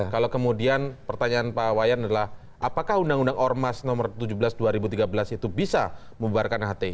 kalau kemudian pertanyaan pak wayan adalah apakah undang undang ormas nomor tujuh belas dua ribu tiga belas itu bisa membuarkan hti